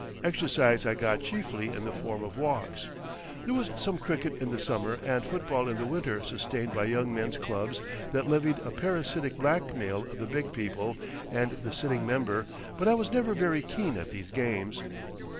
Exercise I got chiefly in the form of walks. There was some cricket in the summer and football in the winter sustained by young men's clubs that levied a parasitic blackmail of the big people and the sitting member, but I was never very keen at these games.